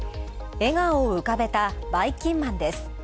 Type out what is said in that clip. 笑顔を浮かべたばいきんまんです。